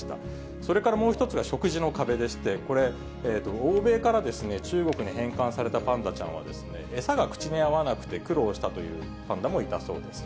それからもう一つが食事の壁でして、これ、欧米から中国に返還されたパンダちゃんは、餌が口に合わなくて苦労したというパンダもいたそうです。